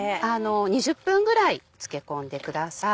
２０分ぐらい漬け込んでください。